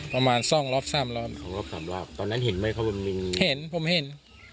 ประมาณสองรอบสามรอบสองรอบสามรอบตอนนั้นเห็นไหมครับว่ามีเห็นผมเห็น